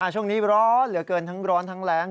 ช่วงนี้ร้อนเหลือเกินทั้งร้อนทั้งแรง